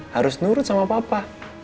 harus nurut sama papa